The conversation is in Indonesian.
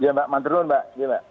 iya mbak mantulun mbak